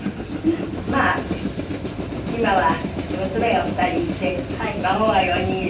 まあ今は娘が２人いて孫が４人いる。